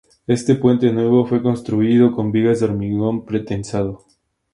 Este puente nuevo fue construido con vigas de hormigón pretensado.